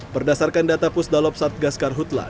berdasarkan data pusdalopsat gaskar hutla